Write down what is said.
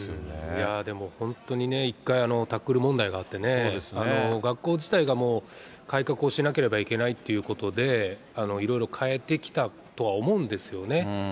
いや、でも本当にね、一回タックル問題があってね、学校自体がもう、改革をしなければいけないっていうことで、色々変えてきたとは思うんですよね。